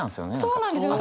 そうなんですよ！